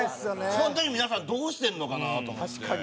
その時皆さんどうしてるのかなと思って。